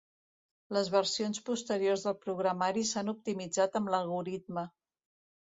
Les versions posteriors del programari s'han optimitzat amb l'algoritme.